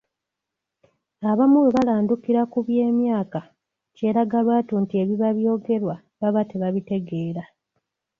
Abamu bwe balandukira ku by'emyaka, kyeraga lwatu nti ebibeera byogerwa baba tebabitegeera.